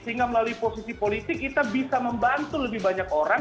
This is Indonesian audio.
sehingga melalui posisi politik kita bisa membantu lebih banyak orang